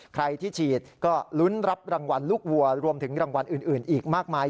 ใครที่ฉีดก็ลุ้นรับรางวัลลูกวัวรวมถึงรางวัลอื่นอีกมากมาย